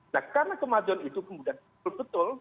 nah karena kemajon itu kemudian berbetul